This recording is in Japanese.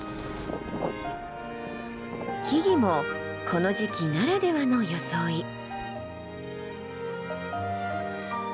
木々もこの時期ならではの装い。